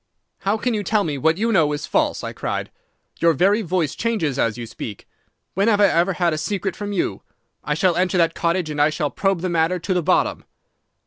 "'How can you tell me what you know is false?' I cried. 'Your very voice changes as you speak. When have I ever had a secret from you? I shall enter that cottage, and I shall probe the matter to the bottom.